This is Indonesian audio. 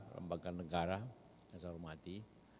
lembaga negara yang saya hormati